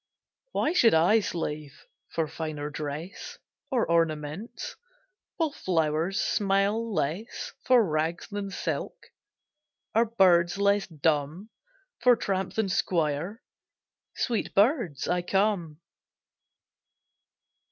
Why should I slave For finer dress Or ornaments; Will flowers smile less For rags than silk? Are birds less dumb For tramp than squire? Sweet birds, I come.